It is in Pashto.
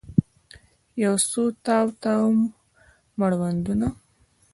یوڅو تاو، تاو مړوندونه